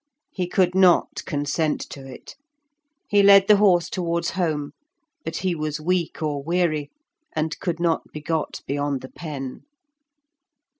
He could not consent to it; he led the horse towards home, but he was weak or weary, and could not be got beyond the Pen.